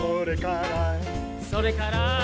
「それから」